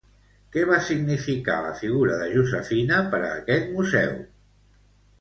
Què va significar la figura de Josefina per a aquest museu?